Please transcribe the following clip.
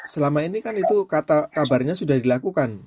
selama ini kan itu kabarnya sudah dilakukan